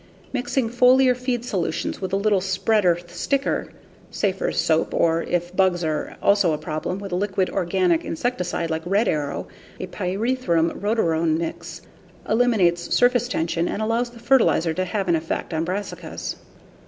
Mixing foliar feed solutions with a little spreader/sticker, Safer's Soap, or, if bugs are also a problem, with a liquid organic insecticide like Red Arrow (a pyrethrum rotenone mix), eliminates surface tension and allows the fertilizer to have an effect on brassicas.